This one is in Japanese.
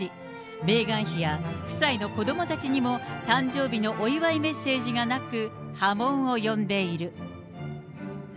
メーガン妃や夫妻の子どもたちにも誕生日のお祝いメッセージがなく波紋を呼んでいる。